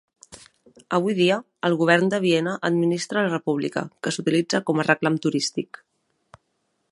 Avui dia, el govern de Viena administra la República, que s'utilitza com a reclam turístic.